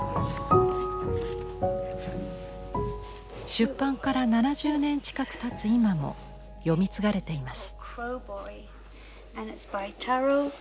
出版から７０年近くたつ今も読み継がれています。